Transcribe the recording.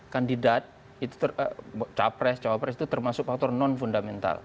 kandidat capres cawapres itu termasuk faktor non fundamental